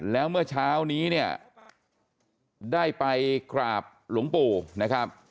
แล้วเมื่อเช้านี้เนี่ยได้ไปกราบหลวงปู่นะครับ